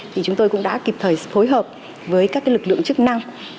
thì chúng tôi cũng đã kịp thời phối hợp với các lực lượng chức năng